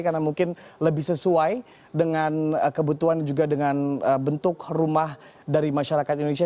karena mungkin lebih sesuai dengan kebutuhan juga dengan bentuk rumah dari masyarakat indonesia